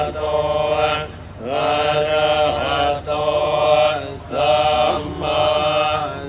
อธินาธาเวระมะนิสิขาปะทังสมาธิยามี